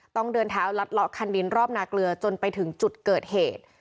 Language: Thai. ต้องเดินเท้าลัดเลาะคันดินรอบนาเกลือจนไปถึงจุดเกิดเหตุ